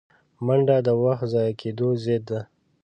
منډه د وخت ضایع کېدو ضد ده